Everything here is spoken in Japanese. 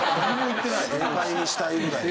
正解にしたいぐらいの。